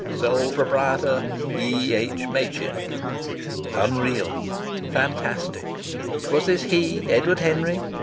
Sole Proprietor E.H. Machin." Unreal! Fantastic! Was this he, Edward Henry?